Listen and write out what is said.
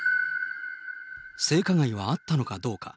性加害はあったのかどうか。